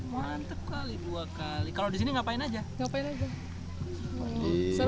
mantep kali dua kali kalau di sini ngapain aja